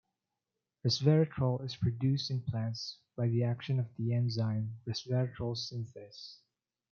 Resveratrol is produced in plants by the action of the enzyme, resveratrol synthase.